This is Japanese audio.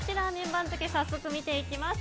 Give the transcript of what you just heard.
番付早速見ていきます。